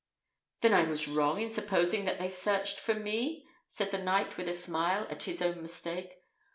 "Then I was wrong in supposing that they searched for me?" said the knight, with a smile at his own mistake.